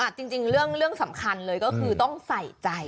จริงเรื่องสำคัญเลยก็คือต้องใส่ใจ